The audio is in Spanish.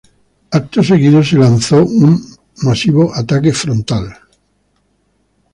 Acto seguido se lanzó un masivo ataque frontal.